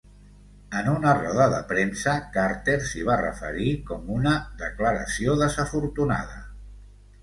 En una roda de premsa, Carter s'hi va referir com una "declaració desafortunada".